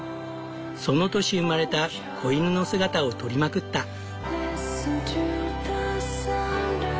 その年生まれた子犬の姿を撮りまくった。